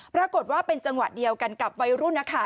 ปรากฏว่าเป็นจังหวะเดียวกันกับวัยรุ่นนะคะ